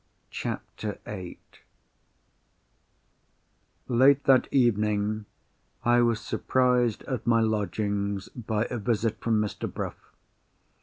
CHAPTER VIII Late that evening, I was surprised at my lodgings by a visit from Mr. Bruff.